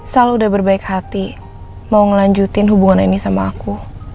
selalu udah berbaik hati mau ngelanjutin hubungan ini sama aku